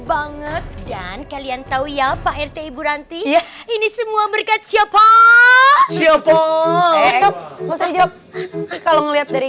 banget dan kalian tahu ya pak rt ibu ranti ini semua berkat siapa siapa jawab kalau ngelihat dari